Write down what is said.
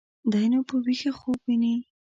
دى نو په ويښه خوب ويني.